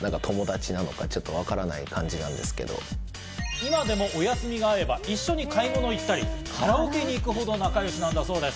今でもお休みが合えば、一緒に買い物に行ったり、カラオケに行くほど仲良しなんだそうです。